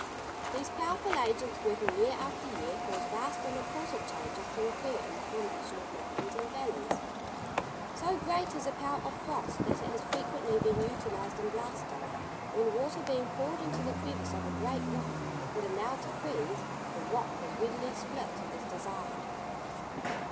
These powerful agents working year after year cause vast and important changes to occur in the formation of mountains and valleys. So great is the power of frost, that it has frequently been utilised in blasting; when water being poured into the crevice of a great rock, and allowed to freeze, the rock was readily split, as desired.